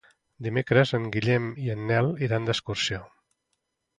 Dimecres en Guillem i en Nel iran d'excursió.